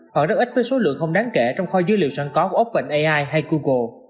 hoặc rất ít với số lượng không đáng kể trong kho dữ liệu sẵn có của openai hay google